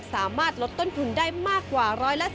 สามารถลดต้นทุนได้มากกว่า๑๔๐